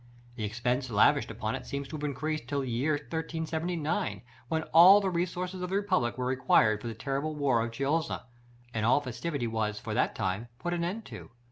The expense lavished upon it seems to have increased till the year 1379, when all the resources of the republic were required for the terrible war of Chiozza, and all festivity was for that time put an end to.